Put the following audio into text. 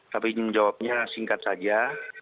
tapi menjawabnya singkat saja